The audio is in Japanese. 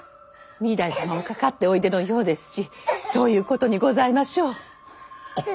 御台様もかかっておいでのようですしそういうことにございましょう。